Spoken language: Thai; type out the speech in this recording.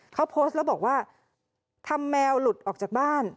เขาโพสต์แล้วบอกว่าทำแมวหลุดออกจากบ้าน